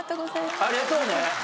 ありがとうね。